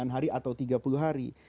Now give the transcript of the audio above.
dua puluh sembilan hari atau tiga puluh hari